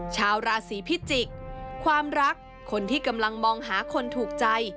ชาวราศีพิจิกษ์ความรักคนที่กำลังมองหาคนถูกใจ